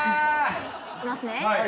いきますね。